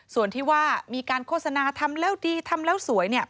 ส่วนที่ว่ามีการโฆษณาทำแล้วดีทำแล้วสวยเนี่ย